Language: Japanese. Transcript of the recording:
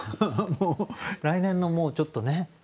来年のもうちょっとね